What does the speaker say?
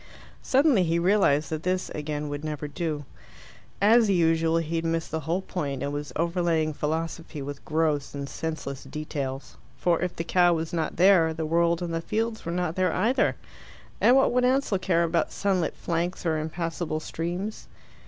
Suddenly he realized that this, again, would never do. As usual, he had missed the whole point, and was overlaying philosophy with gross and senseless details. For if the cow was not there, the world and the fields were not there either. And what would Ansell care about sunlit flanks or impassable streams?